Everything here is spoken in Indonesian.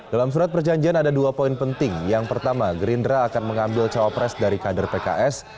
dalam surat perjanjian ada dua poin penting yang pertama gerindra akan mengambil cawapres dari kader pks